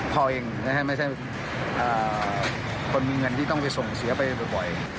พ่อเองนะฮะไม่ใช่คนมีเงินที่ต้องไปส่งเสียไปบ่อย